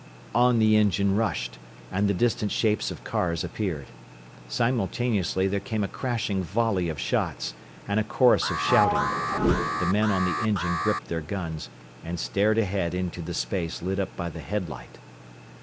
On the engine rushed, and the distant shapes of cars appeared. Simultaneously there came a crashing volley of shots, and a chorus of shouting. The men on the engine gripped their guns, and stared ahead into the space lit up by the headlight.